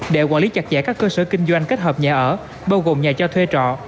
để quản lý chặt chẽ các cơ sở kinh doanh kết hợp nhà ở bao gồm nhà cho thuê trọ